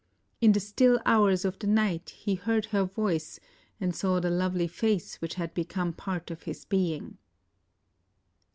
In the still hours of the night he heard her voice and saw the lovely face which had become part of his being.